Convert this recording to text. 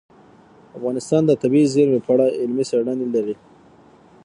افغانستان د طبیعي زیرمې په اړه علمي څېړنې لري.